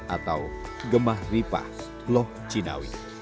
atau gemah ripah loh cinawi